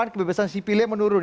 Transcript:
kebebasan sipilnya menurun